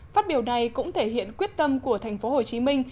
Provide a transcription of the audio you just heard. phát biểu này cũng thể hiện quyết tâm của thành phố hồ chí minh